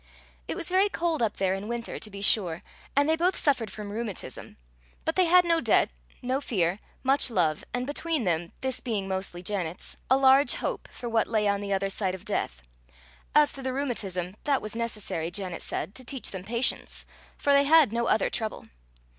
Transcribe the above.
It was very cold up there in winter, to be sure, and they both suffered from rheumatism; but they had no debt, no fear, much love, and between them, this being mostly Janet's, a large hope for what lay on the other side of death: as to the rheumatism, that was necessary, Janet said, to teach them patience, for they had no other trouble.